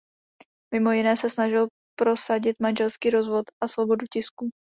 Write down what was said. Mimo jiné se snažil prosadit manželský rozvod a svobodu tisku.